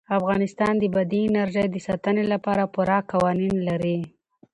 افغانستان د بادي انرژي د ساتنې لپاره پوره قوانین لري.